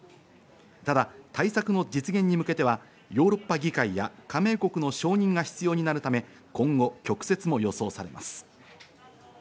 ただ、対策の実現に向けてはヨーロッパ議会や加盟国の承認が必要になるため、今後、曲折も予想されます。